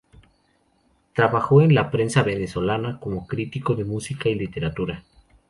Trabajó en la prensa venezolana como crítico de música y literatura.